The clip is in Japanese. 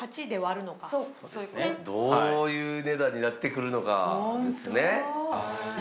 どういう値段になってくるのかですね。